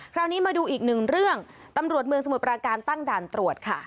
คราวนี้มาดูอีกหนึ่งเรื่องตำรวจเมืองสมุทรปราการตั้งด่านตรวจค่ะ